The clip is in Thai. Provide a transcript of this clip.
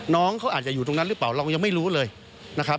น้องเขาอาจจะอยู่ตรงนั้นหรือเปล่าเรายังไม่รู้เลยนะครับ